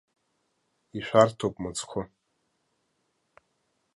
Ишәарҭоуп мыцхәы!